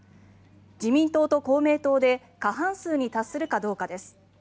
自民党と公明党で過半数に達するかどうかです。